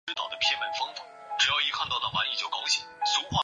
事件发生的原因是澳大利亚悉尼市的西部地区的发展规划。